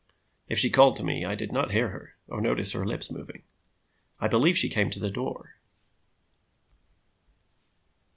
"'If she called to me, I did not hear her or notice her lips moving. I believe she came to the door.